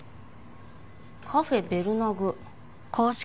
「カフェベルナグ」。